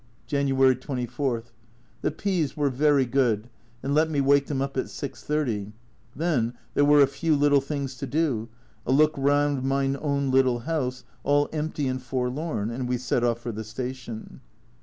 January 24. The P s were very good, and let me wake them up at 6.30 ; then there were a few little things to do, a look round mine own little house, all empty and forlorn, and we set off for the station.